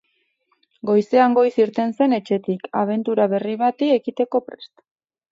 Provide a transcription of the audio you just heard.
Goizean goiz irten zen etxetik, abentura berri bati ekiteko prest.